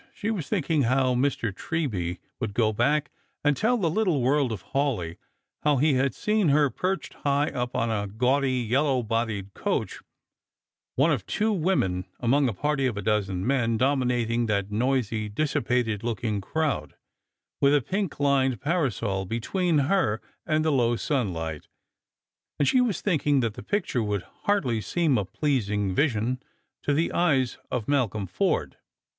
She was thinking how Mr. Treby would go back and tell the little world of Hawleigh how he had seen her perched high up on a gaudy yellow bodied coach, one of two women among a party of a dozen men, dominating that noisy dis sipated looking crowd, with a pink lined parasol between her and the low sunlight ; and she was thinking that the picture would hardly seem a pleasing vision to the eyes of Malcolm Forde.